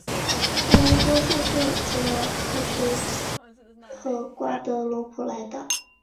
他们多数是从其他加勒比地区如马提尼克和瓜德罗普来到。